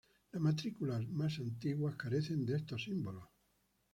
Las matrículas más antiguas carecen de estos símbolos.